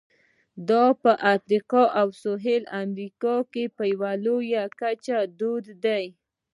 دا په افریقا او سوېلي امریکا کې په لویه کچه دود دي.